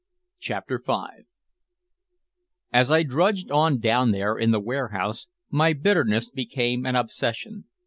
CHAPTER V As I drudged on down there in the warehouse, my bitterness became an obsession.